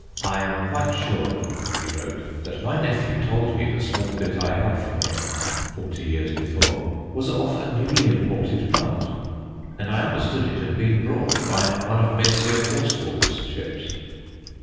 "I am quite sure," he wrote, "that my nephew told me the small bit I had from him" forty years before "was off a newly imported plant, and I understood it had been brought by one of Messrs. Horsfall's ships."